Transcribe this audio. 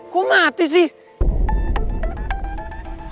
kok mati sih